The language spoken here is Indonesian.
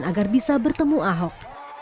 ya abis berjik